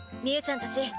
みゅーちゃんたち